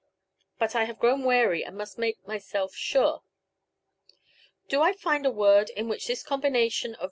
But I have grown wary and must make myself sure. Do I find a word in which this combination of. >.